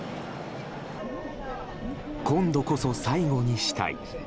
今度こそ最後にしたい。